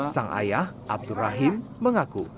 sang ayah abdur rahim mengaku